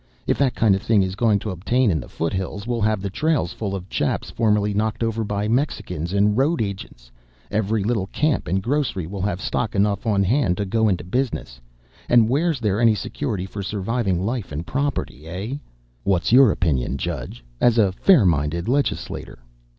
If that kind o' thing is going to obtain in the foot hills, we'll have the trails full of chaps formerly knocked over by Mexicans and road agents; every little camp and grocery will have stock enough on hand to go into business, and where's there any security for surviving life and property, eh? What's your opinion, Judge, as a fair minded legislator?"